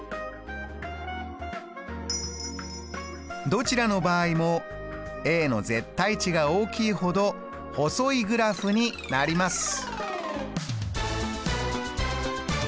どちらの場合もの絶対値が大きいほど細いグラフになります。